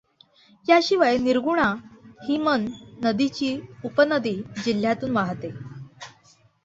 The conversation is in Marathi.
याशिवाय निर्गुणा ही मन नदीची उपनदी जिल्ह्यातून वाहते.